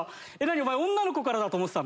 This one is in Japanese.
お前女の子からだと思ってたの？」